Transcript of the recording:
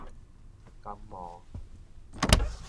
感冒